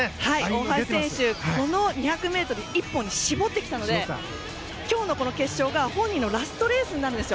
大橋選手、この２００ｍ１本に絞ってきたので今日の決勝が本人のラストレースです。